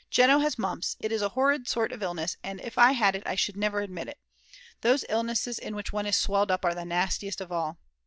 Jeno has mumps, it is a horrid sort of illness and if I had it I should never admit it. Those illnesses in which one is swelled up are the nastiest of all.